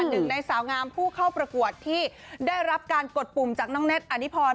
หนึ่งในสาวงามผู้เข้าประกวดที่ได้รับการกดปุ่มจากน้องแน็ตอนิพร